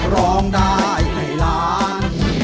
ร้องได้ให้ล้าน